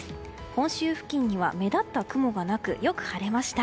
本州付近には、目立った雲がなくよく晴れました。